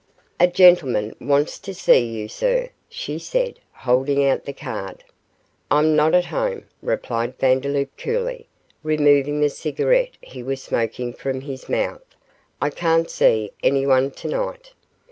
'A gentleman wants to see you, sir,' she said, holding out the card. 'I'm not at home,' replied Vandeloup, coolly, removing the cigarette he was smoking from his mouth; 'I can't see anyone tonight.